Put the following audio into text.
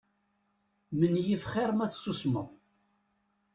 Menyif xir ma tessusmeḍ.